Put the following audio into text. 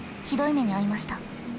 ひどい目に遭いました。